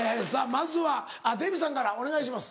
まずはデヴィさんからお願いします。